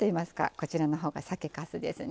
こちらのほうが酒かすですね。